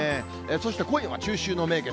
そして今夜は中秋の名月。